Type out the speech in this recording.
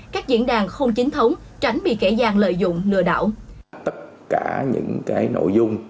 các diễn đàn không chính thống tránh bị kẻ gian lợi dụng lừa đảo